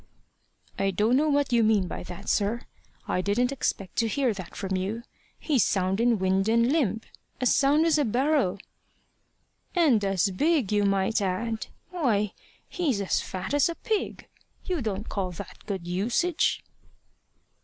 "I don't know what you mean by that, sir. I didn't expect to hear that from you. He's sound in wind and limb as sound as a barrel." "And as big, you might add. Why, he's as fat as a pig! You don't call that good usage!"